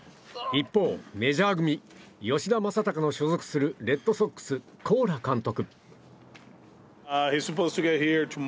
一方、メジャー組吉田正尚の所属するレッドソックス、コーラ監督。